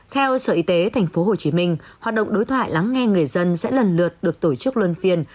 theo sở y tế tp hcm hoạt động đối thoại lắng nghe người dân sẽ lần lượt được tổ chức luân phiên